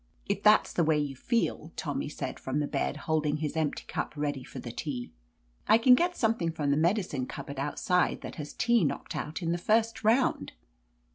"If that's the way you feel," Tommy said, from the bed, holding his empty cup ready for the tea. "I can get something from the medi cine cupboard outside that has tea knocked out in the first round."